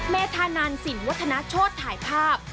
เมธานันสินวัฒนาโชธถ่ายภาพ